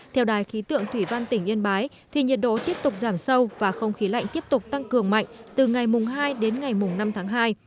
theo đài khí tượng thủy văn tỉnh yên bái thì nhiệt độ tiếp tục giảm sâu và không khí lạnh tiếp tục tăng cường mạnh từ ngày hai đến ngày năm tháng hai